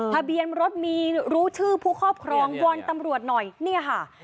ทะเบียนรถมีรู้ชื่อผู้ครอบครองวอนตำรวจหน่อยเนี่ยค่ะ